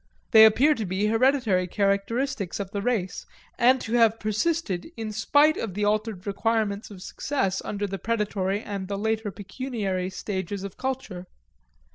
They appear to be hereditary characteristics of the race, and to have persisted in spite of the altered requirements of success under the predatory and the later pecuniary stages of culture.